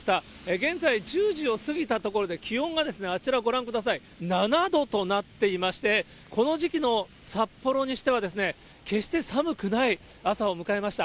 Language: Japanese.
現在、１０時を過ぎたところで、気温があちらご覧ください、７度となっていまして、この時期の札幌にしては、決して寒くない朝を迎えました。